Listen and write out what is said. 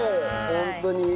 ホントに。